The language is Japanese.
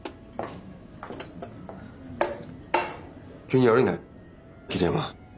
急に悪いね桐山。